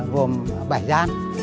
hồn bảy gian